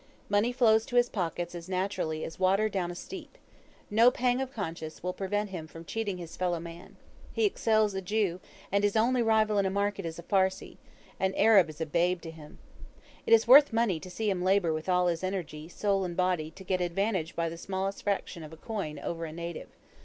Money flows to his pockets as naturally as water down a steep. No pang of conscience will prevent him from cheating his fellow man. He excels a Jew, and his only rival in a market is a Parsee; an Arab is a babe to him. It is worth money to see him labor with all his energy, soul and body, to get advantage by the smallest fraction of a coin over a native.